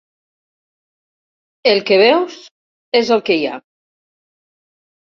El que veus és el que hi ha.